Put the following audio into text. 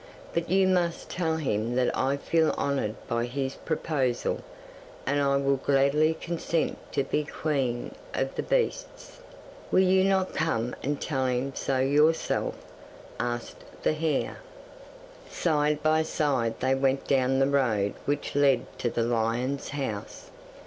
"But you must tell him that I feel honoured by his proposal, and will gladly consent to be Queen of the Beasts." '"Will you not come and tell him so yourself?" asked the hare. 'Side by side they went down the road which led to the lion's house.